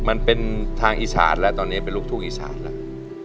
มันเป็นทางอีสานแล้วตอนนี้เป็นลูกทุ่งอีสานแล้ว